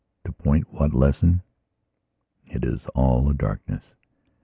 To point what lesson? It is all a darkness.